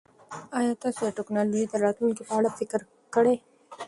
ایا تاسو د ټکنالوژۍ د راتلونکي په اړه فکر کړی؟